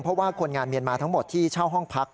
เพราะว่าคนงานเมียนมาทั้งหมดที่เช่าห้องพัก